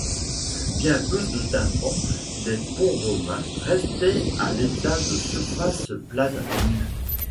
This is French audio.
Bien peu de tympans des ponts romains restaient à l’état de surface plane nue.